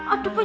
oh si pas